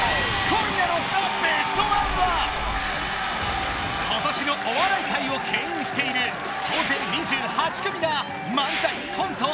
今夜のザ・ベストワンは今年のお笑い界をけん引している総勢２８組が漫才コント